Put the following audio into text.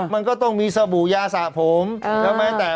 แต๊สระแต๊